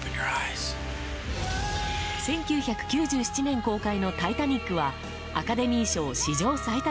１９９７年公開の「タイタニック」はアカデミー賞史上最多